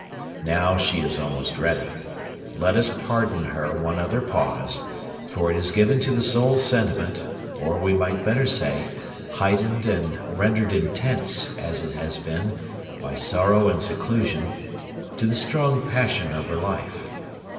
Now she is almost ready. Let us pardon her one other pause; for it is given to the sole sentiment, or, we might better say,—heightened and rendered intense, as it has been, by sorrow and seclusion,—to the strong passion of her life.